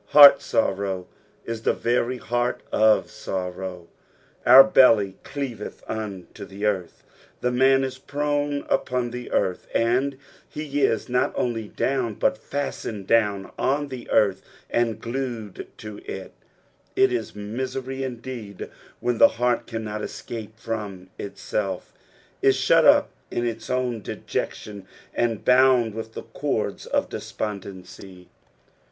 Heart sorrow is the very heart of sorrow. "Our hMy dtaeeth iinfo the aarth." The man ia prone upon the earth, and he is not oniy down, but fastened down on the earth and glued to it It is misery, indeed, when the heart cannot escape from itself, is shut up in its own dejection, and bound with the cords of despondency.